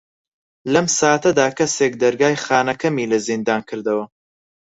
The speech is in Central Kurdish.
لەم ساتەدا کەسێک دەرگای خانەکەمی لە زیندان کردەوە.